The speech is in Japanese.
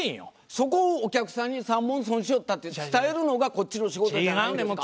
そこをお客さんに３文損しよったって伝えるのがこっちの仕事じゃないんですか？